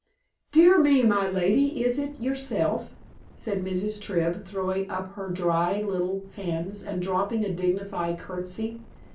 "Dear me, my lady, is it yourself?" said Mrs. Tribb, throwing up her dry little hands and dropping a dignified curtsey.